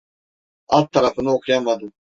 Alt tarafını okuyamadım.